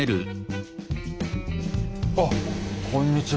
あっこんにちは。